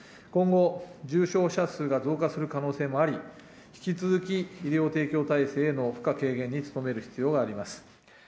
今後、重症者数が増加する可能性もあり、引き続き医療提供体制への負荷軽減に努める必要があります。